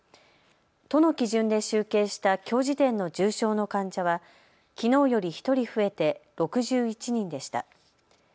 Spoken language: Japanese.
都の基準で集計したきょう時点の重症の患者はきのうより１人増えて６１人でした。